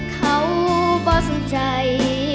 เขาบ่สังใจ